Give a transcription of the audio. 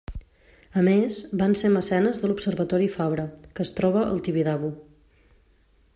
A més, van ser mecenes de l'Observatori Fabra, que es troba al Tibidabo.